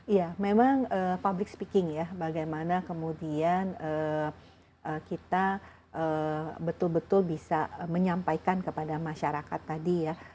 iya memang public speaking ya bagaimana kemudian kita betul betul bisa menyampaikan kepada masyarakat tadi ya